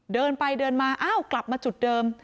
เดินไปเดินมาอ้าวกลับมาจุดเดิม